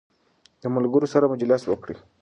د ملګرو سره مجلس وکړئ.